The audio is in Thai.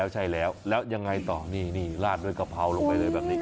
ใช่แล้วแล้วยังไงต่อนี่นี่ลาดด้วยกะเพราลงไปเลยแบบนี้